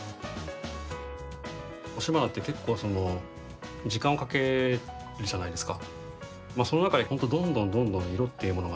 押し花って結構時間をかけるじゃないですか。